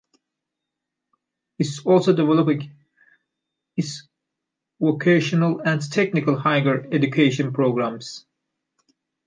It is also developing its vocational and technical higher education programmes.